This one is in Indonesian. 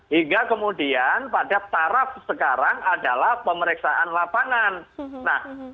hingga kemudian pada taraf sekarang adalah pemeriksaan lapangan